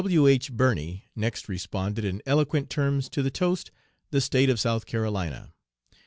"W. H. Birney next responded in eloquent terms to the toast, 'The State of South Carolina.'